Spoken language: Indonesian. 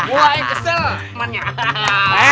buah yang kesel temannya